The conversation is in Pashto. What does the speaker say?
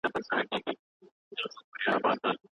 اندېښنې د پي پي پي یوه نښه ده.